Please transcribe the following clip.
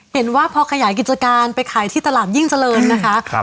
เห็นว่าพอขยายกิจการไปขายที่ตลาดยิ่งเจริญนะคะ